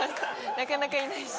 なかなかいないし。